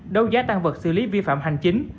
đấu giá tăng vật xử lý vi phạm hành chính